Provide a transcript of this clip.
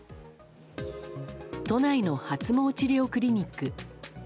都内の発毛治療クリニック。